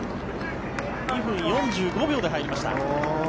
２分４５秒で入りました。